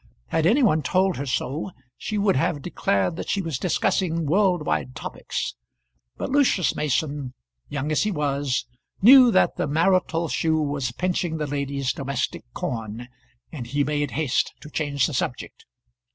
Had any one told her so she would have declared that she was discussing world wide topics; but Lucius Mason, young as he was, knew that the marital shoe was pinching the lady's domestic corn, and he made haste to change the subject.